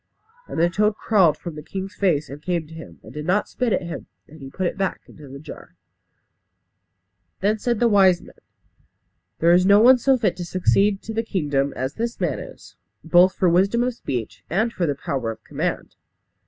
And the toad crawled from the king's face and came to him, and did not spit at him; and he put it back into the jar. Then said the wise men, "There is no one so fit to succeed to the kingdom as this man is; both for wisdom of speech and for the power of command."